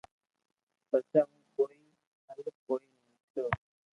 پسي بو ڪوئي ھل ڪوئي نوڪرو